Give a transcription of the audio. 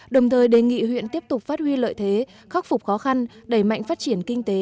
đồng thời đề nghị huyện tiếp tục phát huy lợi thế khắc phục khó khăn đẩy mạnh phát triển kinh tế